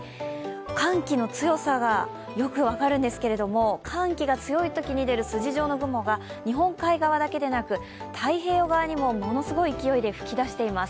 寒気の強さがよく分かるんですけれども、寒気が強いときに出る筋状の雲が日本海側だけでなく太平洋側にも、ものすごい勢いで噴き出しています。